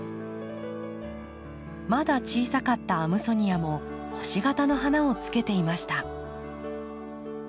まだ小さかったアムソニアも星形の花をつけていました。